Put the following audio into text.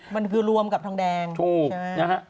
มันคือรวมกับทองแดงถูกนะฮะ